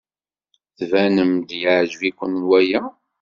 Tbanem-d yeɛjeb-iken waya.